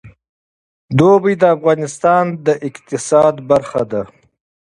اوړي د افغانستان د اقتصاد برخه ده.